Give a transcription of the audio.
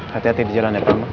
hati hati di jalan ya pak